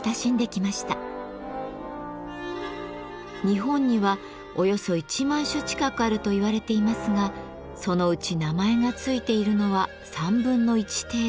日本にはおよそ１万種近くあると言われていますがそのうち名前が付いているのは1/3程度。